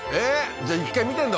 じゃあ一回見てんだ？